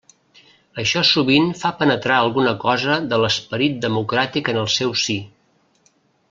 Això sovint fa penetrar alguna cosa de l'esperit democràtic en el seu si.